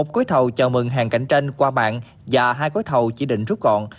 một gói thầu chào mừng hàng cạnh tranh qua mạng và hai gói thầu chỉ định rút gọn